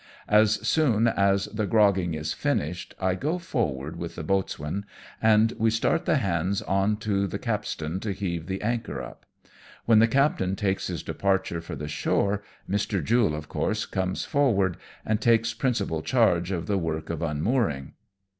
As soon as the grogging is finished I go forward with the boatswain, and we start the hands on to the capstan to heave the anchor up. "When the captain takes his departure for the shore Mr. Jule of course comes forward, and takes principal charge of the work of unmooring.